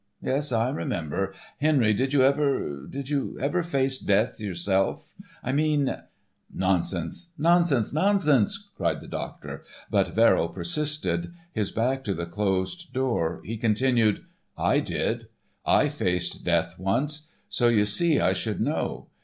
Yes, I remember.... Henry, did you ever—did you ever face death yourself—I mean—" "Nonsense, nonsense, nonsense," cried the doctor. But Verrill persisted. His back to the closed door, he continued: "I did. I faced death once,—so you see I should know.